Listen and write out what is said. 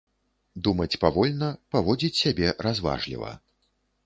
Думаць павольна, паводзіць сябе разважліва.